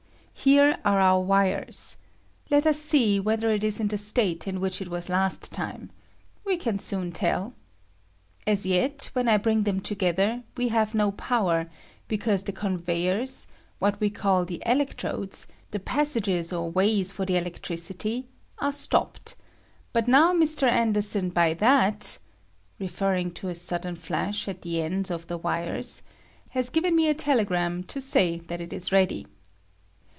Here are our wires. Let us see whether it ia in the state in which it was last time. We can soon tell. As yet, when I bring them together, we have no power, be cause the conveyers — what we call the elec trodes — the passages or ways for the electricity I VOLTAIC IGNITION OF PLATINUM. 97 — are stepped ; but now Mr. Anderson by that [referring to a sudden flash at the ends of the wires] has given me a telegram to say that it is ready.